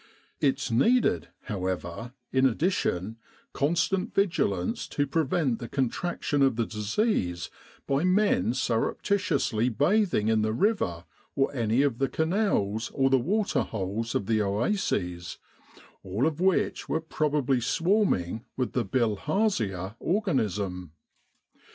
It needed, however, in addition, constant vigilance to prevent the contraction of the disease by men surreptitiously bathing in the river or any of the canals, or the water holes of the oases, all of which were probably swarming with the bilharzia organism.